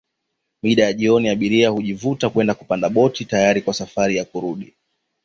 Mida ya jioni abiria hujivuta kwenda kupanda boti tayari kwa safari ya kurudi